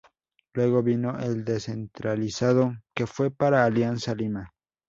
Luego vino el Descentralizado, que fue para Alianza Lima.